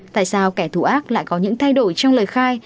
tại sao kẻ thù ác lại có những thay đổi trong lời khai